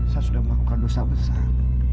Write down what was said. saya sudah melakukan dosa besar